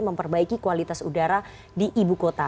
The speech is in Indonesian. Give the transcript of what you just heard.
memperbaiki kualitas udara di ibu kota